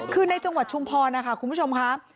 คือในจังหวัดชุมพรนะคะคุณผู้ชมค่ะ